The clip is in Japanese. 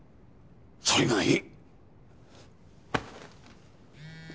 それがいい。